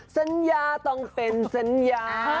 สัญญาต้องเป็นสัญญา